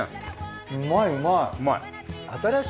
うまいうまい。